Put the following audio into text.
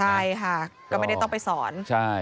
สำนักงานเขตนะอีกก็ไม่ได้ต้องไปสอน